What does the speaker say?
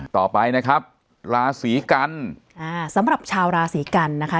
ต่อไปนะครับราศีกันอ่าสำหรับชาวราศีกันนะคะ